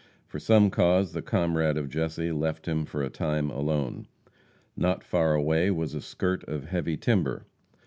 For some cause the comrade of Jesse left him for a time alone. Not far away was a skirt of heavy timber.